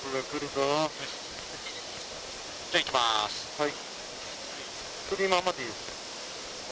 はい。